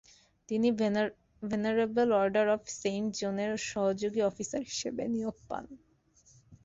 তিনি Venerable Order of Saint জনের সহযোগী অফিসার হিসেবে নিয়োগ পান।